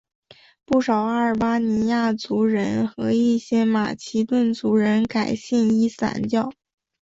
不少阿尔巴尼亚族人和一些马其顿族人改信伊斯兰教。